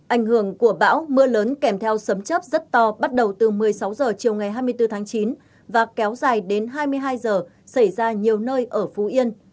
ảnh hưởng của bão mưa lớn kèm theo sấm chấp rất to bắt đầu từ một mươi sáu h chiều ngày hai mươi bốn tháng chín và kéo dài đến hai mươi hai h xảy ra nhiều nơi ở phú yên